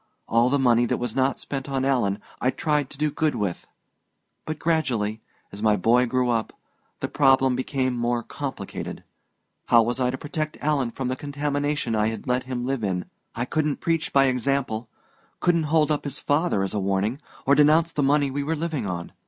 All the money that was not spent on Alan I tried to do good with. But gradually, as my boy grew up, the problem became more complicated. How was I to protect Alan from the contamination I had let him live in? I couldn't preach by example couldn't hold up his father as a warning, or denounce the money we were living on.